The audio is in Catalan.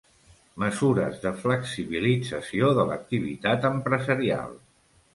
Mesures de flexibilització de l'activitat empresarial.